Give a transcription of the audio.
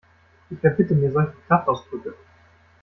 Ich verbitte mir solche Kraftausdrücke!